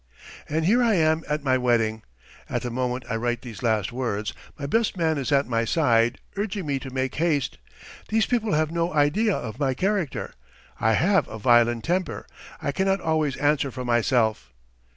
And here I am at my wedding. At the moment I write these last words, my best man is at my side, urging me to make haste. These people have no idea of my character! I have a violent temper, I cannot always answer for myself!